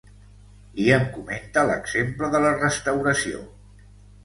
I em comenta l’exemple de la restauració.